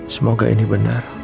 semoga ini benar